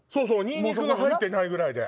ニンニクが入ってないぐらいで。